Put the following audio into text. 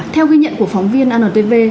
theo ghi nhận của phóng viên antv